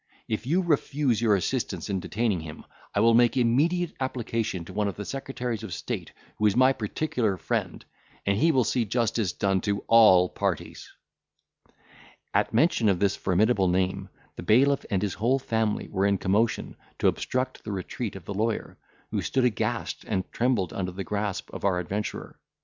If you refuse your assistance in detaining him, I will make immediate application to one of the secretaries of state, who is my particular friend, and he will see justice done to all parties." At mention of this formidable name, the bailiff and his whole family were in commotion, to obstruct the retreat of the lawyer, who stood aghast and trembled under the grasp of our adventurer.